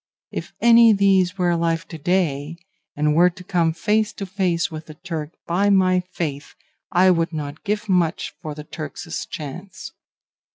If any these were alive to day, and were to come face to face with the Turk, by my faith, I would not give much for the Turk's chance.